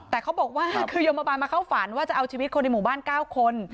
แต่เขาบอกว่าคือโยมบาลมาเข้าฝันว่าจะเอาชีวิตคนในหมู่บ้าน๙คน